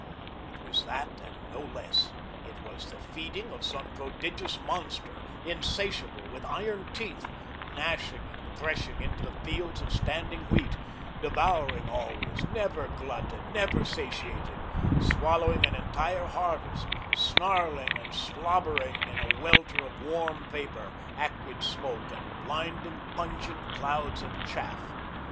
It was that and no less. It was the feeding of some prodigious monster, insatiable, with iron teeth, gnashing and threshing into the fields of standing wheat; devouring always, never glutted, never satiated, swallowing an entire harvest, snarling and slobbering in a welter of warm vapour, acrid smoke, and blinding, pungent clouds of chaff.